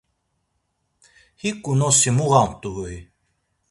Hiǩu nosi muğamt̆ui?